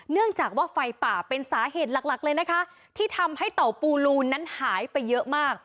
เนื่องจากว่าไฟป่าเป็นสาเหตุหลักหลักเลยนะคะที่ทำให้เต่าปูรูนั้นหายไปเยอะมาก